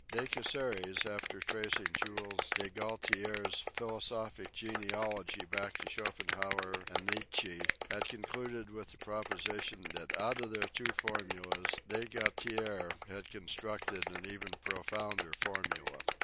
De Casseres, after tracing Jules de Gaultier's philosophic genealogy back to Schopenhauer and Nietzsche, had concluded with the proposition that out of their two formulas de Gaultier had constructed an even profounder formula.